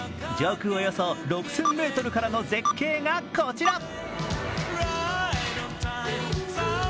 上空およそ６０００ｍからの絶景がこちら。